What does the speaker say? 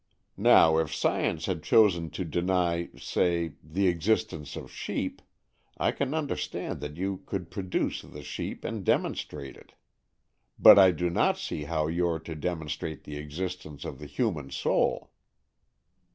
Now if science had chosen to deny, say, the existence of sheep, I can understand that you could produce the sheep and demonstrate it. But I do not see how you are to demonstrate the existence of the human soul."